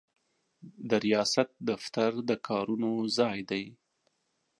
د ریاست دفتر د کارونو ځای دی.